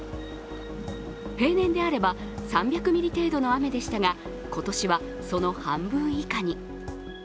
平年であれば、３００ミリ程度の雨でしたが、今年はその半分以下に。